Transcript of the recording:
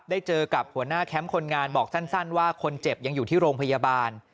เจอกับหัวหน้าแคมป์คนงานบอกสั้นว่าคนเจ็บยังอยู่ที่โรงพยาบาล